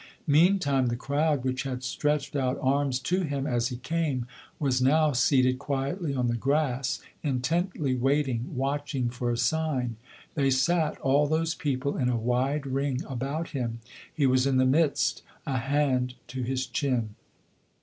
Meantime, the crowd, which had stretched out arms to him as he came, was now seated quietly on the grass, intently waiting, watching for a sign. They sat, all those people, in a wide ring about him; he was in the midst, a hand to his chin.